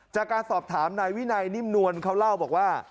จากการสอบถามนายวินัยนิ่มนวลเขาเล่าบอกว่า